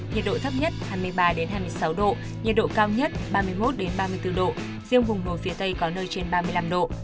nhiệt độ thấp nhất hai mươi ba hai mươi sáu độ nhiệt độ cao nhất ba mươi một ba mươi bốn độ riêng vùng núi phía tây có nơi trên ba mươi năm độ